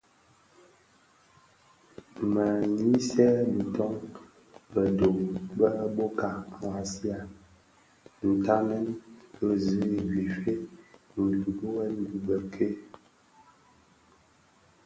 Me nyisen biton bedho bë bōka ghaksiya stamen bi zi I Guife, nduduyèn dhi bëk-ke.